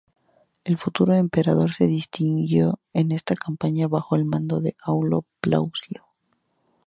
El futuro emperador se distinguió en esta campaña bajo el mando de Aulo Plaucio.